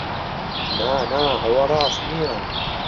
نا، نا! ئەوە ڕاست نییە.